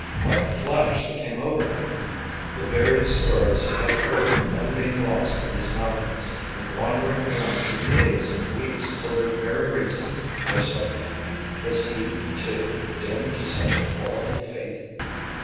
Like a flash there came over him the various stories he had heard of men being lost in these mountains and wandering around for days and weeks until their very reason forsook them. Was he, too, doomed to such a horrible fate?